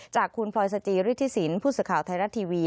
จากคุณพลอยสจิฤทธิสินพุทธสุข่าวไทยรัตนาทีวี